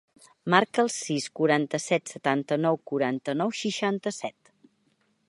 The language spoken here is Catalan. Marca el sis, quaranta-set, setanta-nou, quaranta-nou, seixanta-set.